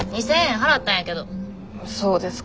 そうですか。